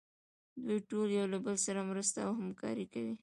دوی ټول یو له بل سره مرسته او همکاري کوي.